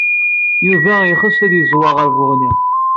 Yuba yexs ad yeẓwa ɣel Buɣni.